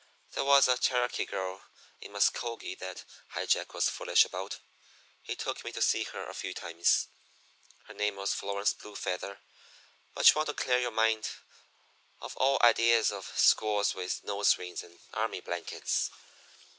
"There was a Cherokee girl in Muscogee that High Jack was foolish about. He took me to see her a few times. Her name was Florence Blue Feather but you want to clear your mind of all ideas of squaws with nose rings and army blankets.